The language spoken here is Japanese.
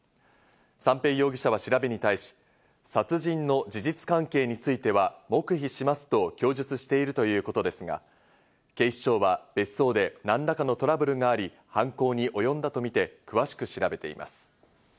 三瓶容疑者は調べに対し、殺人の事実関係については黙秘しますと供述しているということですが、警視庁は別荘で何らかのトラブルがあり、犯行におよんだとみて詳しく調べています。